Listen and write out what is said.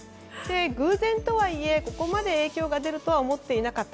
偶然とはいえここまで影響が出るとは思っていなかった。